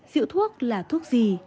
rượu thuốc là thuốc gì